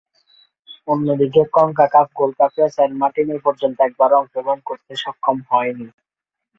অন্যদিকে, CONCACAF gold কাপেও Saint Martin এপর্যন্ত একবারও অংশগ্রহণ করতে সক্ষম হয়নি।